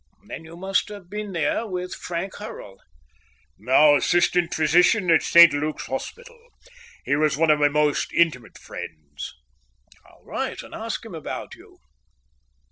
"Then you must have been there with Frank Hurrell." "Now assistant physician at St Luke's Hospital. He was one of my most intimate friends." "I'll write and ask him about you."